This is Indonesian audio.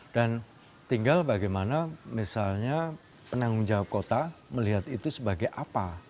dan tinggal bagaimana misalnya penanggung jawab kota melihat itu sebagai apa